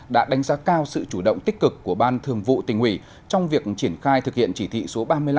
đã đánh giá cao sự chủ động tích cực của ban thường vụ tỉnh ủy trong việc triển khai thực hiện chỉ thị số ba mươi năm